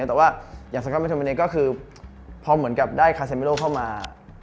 แต่ว่าอย่างสก๊อเมโทเมย์ก็คือพอเหมือนกับได้คาเซเมโลเข้ามา